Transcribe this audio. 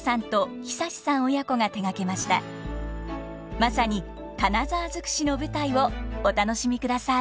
まさに金沢尽くしの舞台をお楽しみください。